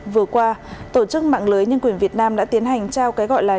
vừa qua tổ chức mạng lưới nhân quyền việt nam đã tiến hành trao cái gọi là